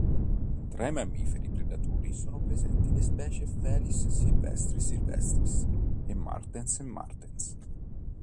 Tra i mammiferi predatori sono presenti le specie "Felis silvestris silvestris" e "Martes martes".